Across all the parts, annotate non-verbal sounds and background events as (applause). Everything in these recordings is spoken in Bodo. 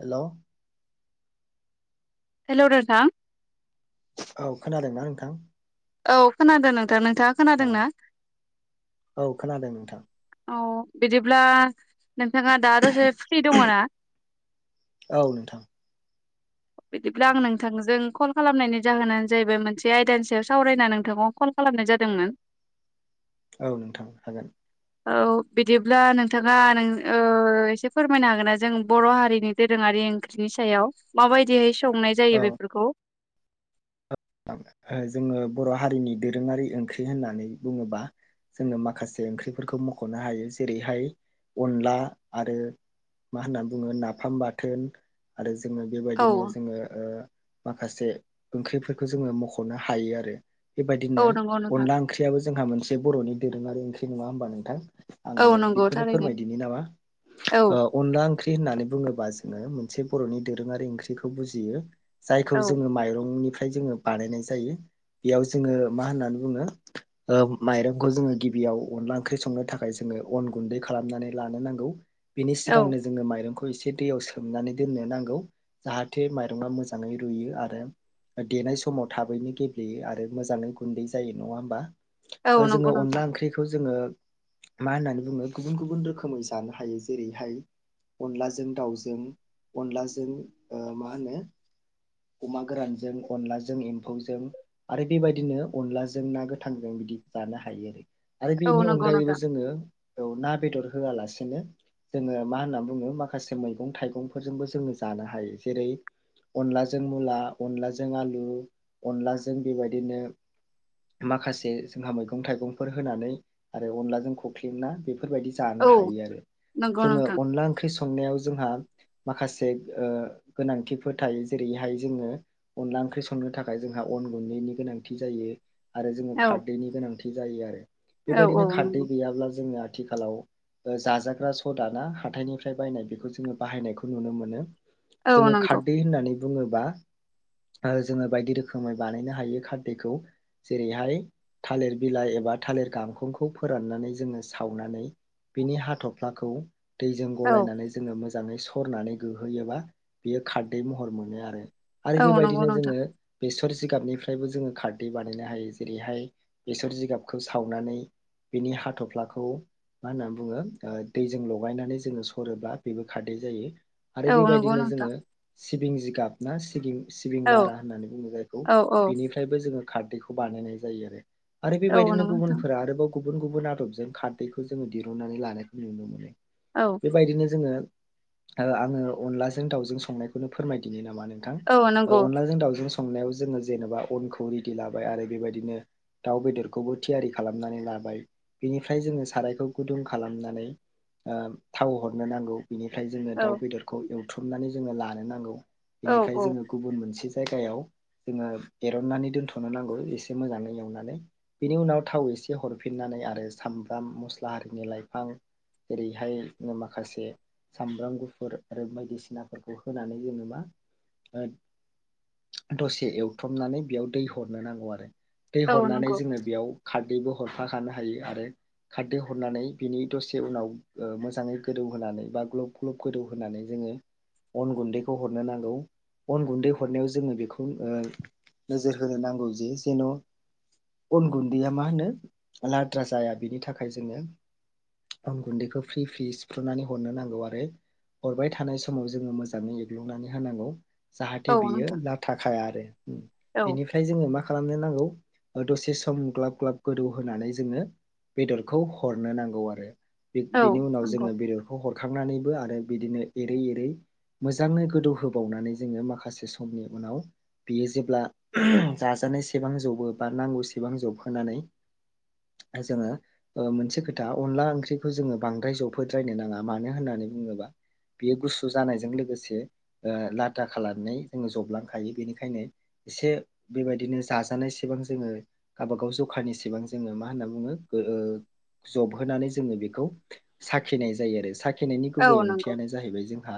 हेल'। हेल' रोन्थां। औ खोनादोंना नोंथां। औ खोनादों नोंथां नोंथाङा औ खोनादों ना। औ खोनादों नोंथां औ बिदिब्ला। नोंथाङा दा दसे फ्रि दङ ना? औ नोंथां बिदिब्ला आं नोंथांजों। कल खालामनायनि जाहोनानो जाहैबाय मोनसे आयदानि सायाव सावरायना नोंथांखौ कल खालामनाय जादोंमोन। (inaudible) औ नोंथां हागोन। औ बिदिब्ला नोंथाङा नों ओ एसे फोरमायनो हागोन ना जों बर' हारिनि दोरोङारि। ओंख्रिनि सायाव माबायदिहै संनाय जायो बेफोरखौ। ओ जोङो बर' हारिनि दोरोङारि ओंख्रि होननानै बुङोबा। जोङो माखासे ओंख्रिफोरखौ मख'नो हायो जेरैहाय अनला आरो। मा होनना बुङो नाफाम बाथोन आरो जोङो औ बेबायदिनो जोङो ओ माखासे ओंख्रिफोर खौ जोंङो मख'नो हायो आरो औ बेबादिनो नंगौ नोंथां अनला ओंख्रिआबो जोंहा मोनसे बर'नि दोरोङारि ओंख्रि नङा होमबा नोंथां। औ आङो नंगौ बेखौनो थारैनो फोरमायदिनि नामा औ ओ अनला ओंख्रि होननानै बुङोबा जोङो मोनसे बर'नि दोरोङारि ओंख्रिखौ बुजियो। जायखौ औ जोङो माइरंनिफ्रा इ जोंङो बानायनाय जायो बेआव जोङो मा होननानै बुङो ओ माइरंखौ जोङो गिबि आव अनला ओंख्रि संनो थाखाय जोङो अन गुन्दै खालामनानै लानो नांगौ बेनि औ सिगांनो जोङो माइरंखौ। एसे दैयाव सोमनानै दोननो नांगौ जाहाथे माइरंआ मोजाङै रुयो आरो। देनाय समाव थाबैनो गेब्लेयो आरो मोजाङै गुन्दै जायो नङा होमबा। ओ औ नंगौ जोङो अनला नोंथां ओंख्रिखौ जोङो। मा होननानै बुङो गुबुन- गुबुन रोखोमै जानो हायो जेरैहाय। अनलाजों दाउजों अनलाजों ओ मा होनो। अमा गोरानजों। अनलाजों एम्फौजों आरो बेबायदिनो अनलाजों ना गोथांजों बिदि जानो हायो आरो आरो औ बेनि नंगौ अनगायैबो नोंथां जोङो। औ ना बेदर होआलासेनो जोङो मा होनना बुङो माखासे मैगं थाइगंफोरजोंबो जोङो जा जानो हायो जेरै अनलाजों मुल्ला अनलाजों जों आलु अनलाजों बेबायदिनो माखासे जोंहा मैगं थाइगंफोर होनानै आरो अनलाजों खख्लिं ना बेफो बेफोर बायदि जानो औ हायो आरो नंगौ जोंङो नोंथां अनला ओंख्रि सं संनायाव जोंहा माखासे ओ गोनांथिफोर थायो जेरैहाय जोङो अनला ओंख्रि संनो थाखाय जोंहा अन गुन्दैनि गोनांथि जायो आरो जोङो औ खारदैनि गोनांथि जायो आरो औ बेबायदिनो औ खारदै नंगौ गैयाब्ला जोङो आथिखालाव जाजाग्रा सदाना हाथथायनिफ्राय बायनाय बेखौ जोङो बाहायनायखौ नुनो मोनो औ जोङो नंगौ खारदै होननानै बुङोबा आरो जोङो बायदि रोखोमै बानायनो हायो खारदैखौ जेरैहाय थालिर बिलाइ एबा थालिर गांखंखौ फोराननानै जोङो सावनानै बिनि हाथफ्लाखौ दैजों औ गलायनानै जोङो मोजाङै सरनानै गोहोयोबा बेयो खारदै महर मोनो आरो आरो औ नंगौ बेबायदिनो नोंथां जोङो बेसर जिगाबनिफ्रायबो जोङो खारदै बानायनो हायो जेरैहाय बेसर जिगाबखौ सावनानै बिनि हाथ'फ्लाखौ मा होनना बुङो ओ दैजों लगायनानै जोङो सरोब्ला बेबो खारदै जायो आरो औ नंगौ बेबायदिनो नोंथां जोङो सिबिं जिगाब ना सिबिं सिबिं औ नारा होननानै बुङो जायखौ औ औ बेनिफ्रायबो जोङो खारदैखौ बानायनाय जायो आरो आरो औ बेबायदिनो नंगौ नोंथां गुबनफोरा आरोबाव गुबुन गुबुन आदबजों खारदैखौ जोङो दिरुनन्नानै लानायखौ नुनो मोनो औ बेबायदिनो जोङो आङो अनलाजों दाउजों संनायखौनो फोरमायदिनो नामा नोंथां औ अनलाजों दाउजोंं संनायाव जोङो जेनेबा अनखौ रेडि लाबाय आरो बेबायदिनो दाउ बेदरखौबो थियारि खालामनानै लाबाय बेनिफ्राय जोङो सारायखौ गुदुं खालामनानै ओ थाव हरनो नांगौ बिनिफ्राय जोङो औ दाउ बेदरखौ एवथ्रुमनानै जोङो लानो नांगौ औ बेनिफ्राय औ जोङो गुबुन मोनसे जायगायाव जोङो एरननानै दोनथ'नो नांगौ एसे मोजाङै एवनानै बेनि उनाव उनाव थाव एसे हरफिननानै आरो सामब्राम मस्ला आरारिनि लाइफां जेरैहाय माखासे सामब्राम गुफुर आरो बायदिसिनाफोरखौ होनानै जेनेबा ओ दसे एवथबनानै बेयाव दै हरनो नांगौ आरो दै औ हरनानै नंगौ जोङो बेयाव खार खारदैबो हरफाखानो हायो आरो खारदै हरनानै बिनि दसे उनाव ओ मोजाङै गोदौ होनानै बा ग्लब ग्लब गोदौ होनानै जोङो अन गुन्दैखौ हरनो नांगौ अन गुन्दै हरनायाव जोङो बेखौ ओ नोजोर होनो नांगौ जे जेन' अन गुन्दैया मा होनो लाद्रा जाया बिनि थाखाय जोङो अन गुन्दैखौ फ्रि फ्रि सिुफ्रुनानै हरनो नांगौ आरो हरबाय थानाय समाव जोङो मोजाङै एग्लुंनानै होनांगौ औ जाहाथे बियो नोंथां लाथाखाया आरो औ बेनिफ्राय जोङो मा खालामनो नांगौ दसे सम ग्लाब ग्लाब गोदौ होनानै जोङो बेदरखौ हरनो नांगौ आरो औ बिनि उनाव नंगौ जोङो बेदरखौ ह खांनानैबो आरो बिदिनो एरै एरै मोजाङै गोदौ होबावनानै जोङो माखासे समनि उनाव बियो जेब्ला (unintelligible) जाजानाय सेबां जौबो बा नांगौ गोबां जबहोनानै जोङो मोनसे ओ खोथा अनला ओंख्रिखौ जोङो बांद्राय जबहोद्रायनो नाङा मानो होननानै बुङोबा बेयो गुसु जानायजों लोगोसे ओ लाथा खालामनानै जोङो जबलांखायो बेनिखायनो एसे बेबायदिनो जाजानायसेबां जोङो गावबागाव जखारनि सिबां जोङो मा होनना बुङो ओ जबहोनानै जोङो बेखौ साखिनाय जायो आरो साख नायनि गुबै औ नंगौ ओंथियानो जाहैबाय जोंहा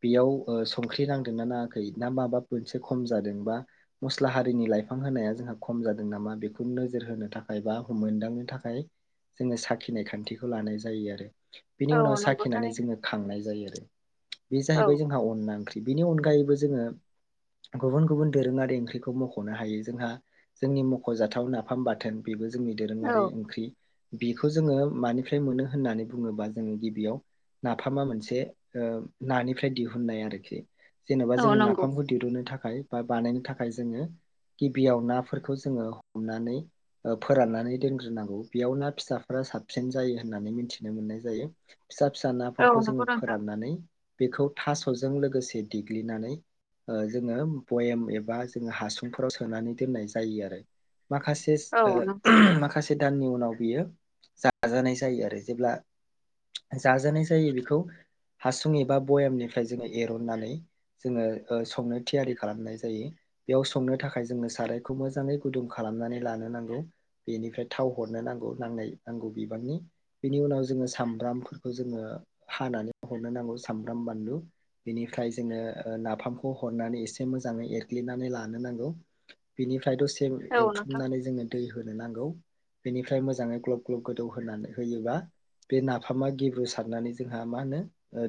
बेयाव ओ संख्रि ना नाङाखै ना माबा मोनसे खम जादों बा मस्ला हारिनि लाइफां होनाया जोंहा खम जादों नामा बा बेखौ नोजोर होनो थाखाय बा मोनदांनो थाखाय जोंङो साखिनाय खान्थिखौ लानाय जायो आरो। बिनि औ उनाव नंगौ साखिनानै थारैनो जोंङो खांनाय जायो आरो बे जाहैबाय औ जोंहा अनला ओंख्रि। नि अनगायैबो जोंङो गुबुन-गुबुन दोरोङारि ओंख्रिखौ मख'नो हायो जोंहा जोंनि मख'जाथाव नाफाम बाथोन बेबो जोंनि दोरोङारि औ ओंख्रि बेखौ जोंङो मानिफ्राय मोनो होननानै बुङोबा जोंङो गिबियाव नाफामा मोनसे ओ नानिफ्राय दिहुननाय आरोखि जेन'बा औ जोंङो नंगौ नाफामखौ दिरुननो थाखाय बा बानायनो थाखाय जोंङो गिबियाव नाफोरखौ जोंङो हमनानै फोराननानै दोनग्रोनांगौ। बेयाव ना फिसाफोरा साबसिन जायो होननानै मिथिनो मोननाय जायो। फिसा-फिसा औ नाफोरखौ जोंङो नंगौ नोंथां फोराननानै बेखौ थास'जों लोगोसे देग्लिनानै ओ जोंङो बयेम एबा जोंङो हासुंफोराव सोनानै दोननाय जायो आरो। माखासे औ नंगौ नोंथां माखासे दाननि उनाव बेयो जाजानाय जायो आरो जेब्ला जाजानाय जायो बेखौ हासुं एबा बयामनिफ्राय जोंङो एरननानै जोंङो संनो थियारि खालामनाय जायो। बेयाव संनो थाखाय जोंङो सारायखौ मोजाङै गुदुं खालामनानै लानो नांगौ। बेनिफ्राय थाव हरनो नांगौ नांनाय नांगौ बिबांनि। बेनि उनाव जोऔङो सामब्रामफोरखौ जोंङो हानानै हरनो नांगौ सामब्राम, बानलु बेनिफ्राय जोंङो नाफामखौ हरनानै एसे मोजाङै एरग्लिनानै लानो नांगौ। बेनि फ्राइ दसे औ नोंथां एवथ्रुमनानै जोंङो दै होनो नांगौ। बेनिफ्राय मोजांङै ग्लब ग्लब गोदौहोनानै होयोबा बे नाफामा गेब्रुसारनानै जोंहा मा होनो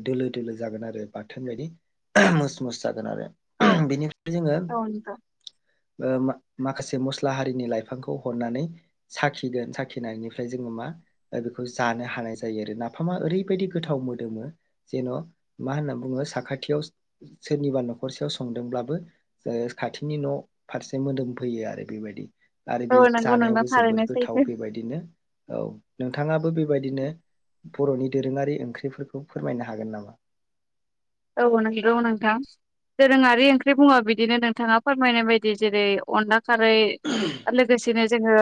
दोलो दोलो जागोन आरो बाथोन बायदि। मुस मुस जागोन आरो औ बेनिफ्राय जोंङो औ नोंथां ओ माखासे मस्ला हारिनि लाइफांखौ हरनानै साखिगोन, साखिनायनिफ्राय जोंङो मा बेखौ जानो हानाय जायो आरो। नाफामा ओरैबायदि गोथाव मोदोमो जेन' मा होनना बुंङो साखाथियाव सोरनिबा न'खरसेयाव संदोंब्लाबो ओ खाथिनि न' फारसे मोदोमफैयो आरो बे। बायदि आरो औ बे नंगौ नोंथां जानायावबो थारैनो जोबोद गोथाव सैथो बेबायदिनो औ नोंथाङाबो बे बायदिनो बर'नि दोरोङारि ओंख्रिफोरखौ फोरमायनो हागोन नामा? औ नोंगौ नोंथां दोरोङारि ओंख्रि बुङो बिदिनो नोंथाङा फोरमायनाय बायदि जेरै अनला खारै लोगोसेनो जोंङो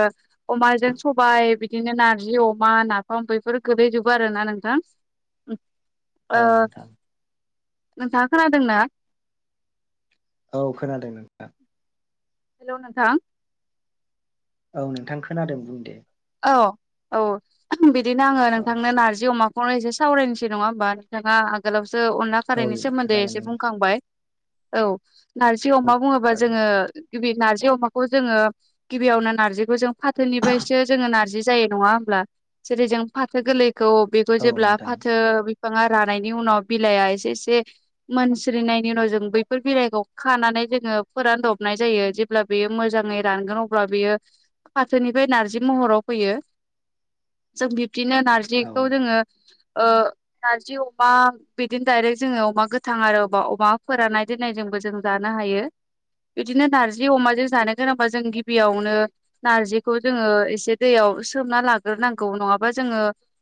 अमाजों सबाय, बिदिनो नारजि अमा, नाफाम बैफोर गोगलैजोबो आरोना नोंथां (unintelligible) औ नोंथां नोंथाङा खोनादों ना? औ खोनादों नोंथा। हेलौ नोंथां औ नोंथां खोनादों बुं दे। औ औ बिदिनो आंङो औ नोंथांनो नारजि अमा खौनो एसे सावरायनोसै नङा होमबा, नोंथाङा आगोलावसो अनला औ खारैनि सोमोन्दै जागोन एसे नों बुंखांबाय औ नारजि अमा बुङोबा जागोन जोंङो गिबि नारजि अमाखौ जोंङो गिबियावनो नारजिखौ जों फाथोनिफ्रायसो जोङो नारजि जायो नङा होनब्ला। जेरै जों फाथो गोरलैखौ बेखौ औ जेब्ला नोंथां फाथो बिफाङा रानायनि उनाव बिलाइआ एसे एसे मोनस्रिनायनि उनाव जों बैफोर बिलाइखौ खानानै जोंङो फोरानदबनाय जायो। जेब्ला बेयो मोजाङै रानगोन अब्ला बेयो फाथोनिफ्राय नारजि महराव फैयो। जों बिब्दिनो औ नारजिखौ जोंङो ओ नारजि अमा बिदिनो दायरेक्ट जोङो अमा गोथां आरो अबा अमा फोरानाय दोननाय जों जों जानो हायो। बिदिनो नारजि अमाजों जानो गोनांबा जों गिबियावनो नारजिखौ जोङो एसे दैयाव सोमना लाग्रोनांगौ नङाबा जोङो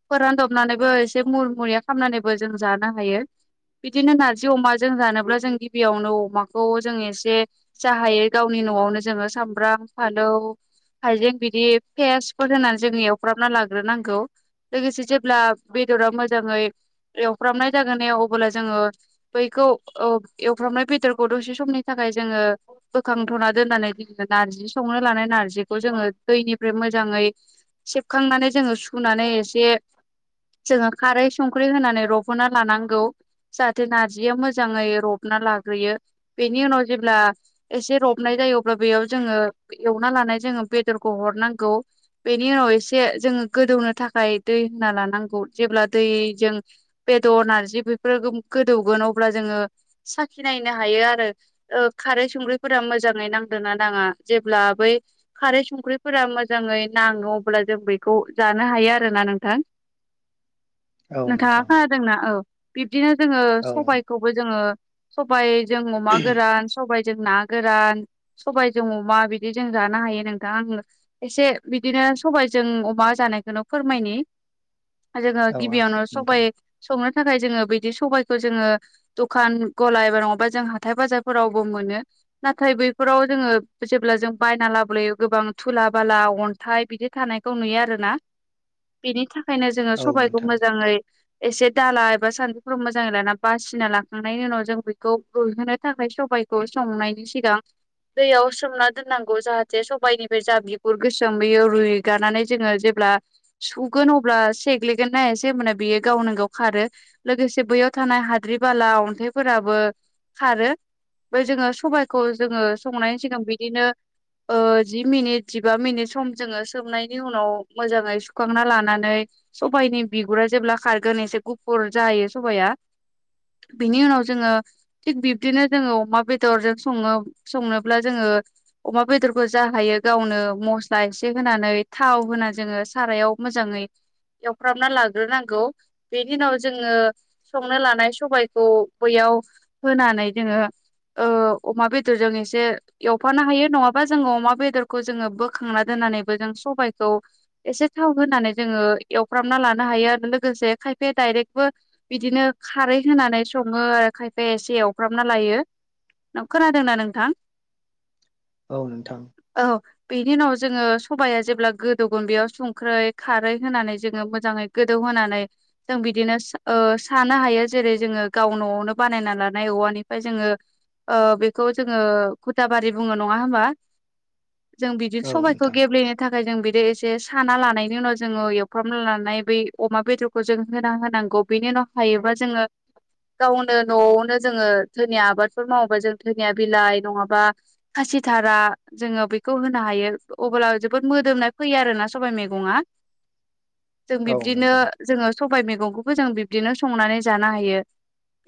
फोरानदबनानैबो एसे मुर मुरिया खालामनानै बो जों जानो हायो। बिदिनो नारजि अमा जों जानोब्ला जों गिबियावनो अमाखौ जों एसे साहायो गावनि न'आवनो जोङो सामब्राम फानौ हाइजें बिदि पेयसफोर होनानै जोंनि एवफ्र्राबना लाग्रोनांगौ लोगोसे जेब्ला बेदरा मोजाङै एवफ्रामनाय जागोन ने अब्ला जोङो बैखौ औ एवफ्रामनाय बेदरखौ दसे समनि थाखाय जोङो बोखांथ'ना दोननानै जोङो नारजि संनो लानाय नारजिखौ जोङो दैनि ओमफ्राय मोजाङै सेबखांनानै जोङो सुनानै एसे जोङो खारै संख्रि होनानै रब'ना लानांगौ जाहाथे नारजिया मोजाङै रब लाग्रोयो बेनि उनाव जेब्ला एसे रबनाय जायो अब्ला बेयाव जोङोव एवना लानाय जो बेदरखौ हनांगौ। बेनि उनाव एसे जोङो गोदौनो थाखाय दै होना लानांगौ जेब्ला दै जों बेदर नारजि बेफोरो गोदोवगोन अल्बा जोंयो साखि नायनो हायो आरो औ कार खारै संख्रिफोरा मोजाङै नांदोंना नाङा जेब्ला बै खारै संख्रिफोरा मोजां मोजाङै नाङो अब्ला जों बेखौ जानो हायो आरोना नोंथां। औ नोथाङा नोंथां खोनादों ना औ बिब्दिनो जोङो औ सबायखौबो जोङो सबाय जों अमा गोरान सबाय जों ना गोरान सबायजों अमा बिदि जों जानो हायो नोंथां आं एसे बिदिनो सबायाइजों अमा जानायखौनो फोरमायनि जोङो औ आ गिबियावनो सब नोंथां संनो थाखाय जोङो बिदि सबायाइखौ जोङो दखान गल एबा नङाबा जों हाथाय बाजारफोरावबो मोनो नाथाय बैफोराव जोङो जेब्ला जों बायना लाबोायो गोबां थुला बाला अन्थाइ बिदि थानायखौ नुयो आरोना बेनि थाखा ओंखायनो जोङो औ सबबायखौ नोंथां मोजाङै एसे दाला एबा सान्दुफोराव मोजाङै लाना बासिना लाखांनायनि उनाव जों बेखौ रइहोनो थाखाय सबायखौ संनायनि सिगां दैयाव सोमना दोननांगौ जाहाथे सबायनि बे जाब्लि गुर गोसोम बेयो रुइगानानै जोङो जेब्ला सुगोन अब्ला सेग्लिगोननासे होनबाना बियो गावनो गाव खारो लोगोसे बैयाव थानाय हाद्रि बाला अन्थाइफोराबो खारो ओमफ्राय जोङो सबायखौ जोङो संनायनि सिगां बिदिनो जि मिनिट जिबा मिनिट सम जोङो सोबनायनि उनाव मोजाङै सुखांना लानानै सबाइनि बिगुर जेब्ला खारगोन एसे गुफुर जायो सबाया बिनि उनाव जोङो थिग बिबदिनो जोङो अमा बेदरजों सङो संनोब्ला जोङो अमा बेदरखो जा हायो गावनो मस्ला एसे होनानै थाव होना जोङो सारायाव मोजाङै एवफ्रामना लाग्रोनांगौ बेनि उनाव जोङो संनो लानाय सबायखौ बययाव होनानै जोङो अमा बेदरजों एसे एवफानो हायो नङाबा जोङो अमा बेदरखौ जोङो बोखांना दोननानैबो जों सबायखौ एसे थाव होनानै जोङो एवफ्रामना लानो हायो हायो लोगोसे खायपा आ दायर्रबो बिदिनो खारै होनानै सयो खायफा आ एसे ए एफ्रामना लायो खोनादोंना नोंथां? औ नोंथां। औ बेनि उनाव जोङो सबाया जेब्ला गोदौगोन बेयाव संख्रै खारै होनानै जोङो मोजां गोदौ होनानै जों बिदिनो सानो हायो जेरै जोङो गाव न'आवनो बानायना लानो औवानिफ्राय जोङो बेखौ जोङो खुदा बारि बुङो नङा होमबा? जों बिदिनो औ सबायखौ नोंथां गेब्लेनो थाखाय जों बिदि बि एसे साना लानायनि उनाव जोङो एवफ्राम लानाय बै अमा बेदरखौ जों होना होनांगौ बेनि उनाव हायोबा जोङो गावनो न'आवनो जोङो धोनिया आबादफोर मावोबा जों धोनिया बिलाइ नङाबा सिथारा जोङो बेखौ होनो हायो अब्ला जोबोद मोदोमनाय फैयो आरोना सबाइ मैगङा। जों औ बिब्दिनो नोंथां जोङो सबाइ मैगंखौबो जों बिदिनो संनानै जानो हायो।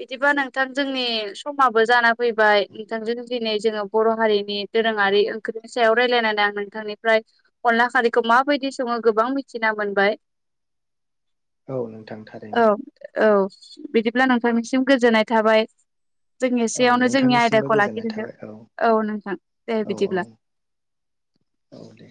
बिदिबा नोंथां जोंनि समाबो जाना फैबाय नोंथांजों दिनै जोङो बर' हारिनि दोरोंआरि आरि ओंख्रिनि सायाव रायलायनानै आं नोंथांनिफ्राय अनला खारिखौ माबायदि सङो गोबां मिथिना मोन बाय औ नोंथां औ थारैनो औ बिदि ब्ला नोंथांनिसिम गोजोननाय थाबाय। जों औ एसेयावनो जोंनि नोंथांनिसिमबो आयदाखौ गोजोननाय लाखिदो थाबाय औ नोंथां। दे औ औ बिदिब्ला औ दे